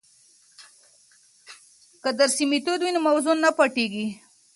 که درسي میتود وي نو موضوع نه پټیږي.